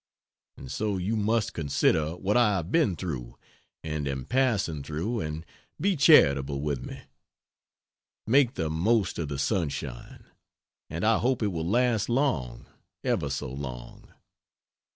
And so you must consider what I have been through, and am passing through and be charitable with me. Make the most of the sunshine! and I hope it will last long ever so long.